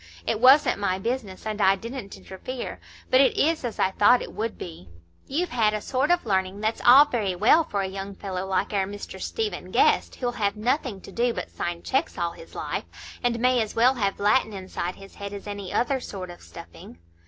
It wasn't my business, and I didn't interfere; but it is as I thought it would be. You've had a sort of learning that's all very well for a young fellow like our Mr Stephen Guest, who'll have nothing to do but sign checks all his life, and may as well have Latin inside his head as any other sort of stuffing."